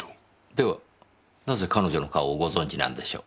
ではなぜ彼女の顔をご存じなんでしょう？